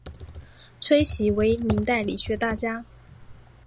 崔铣为明代理学大家。